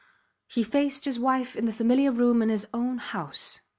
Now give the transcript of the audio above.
He faced his wife in the familiar room in his own house.